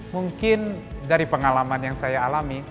mungkin dari pengalaman yang saya alami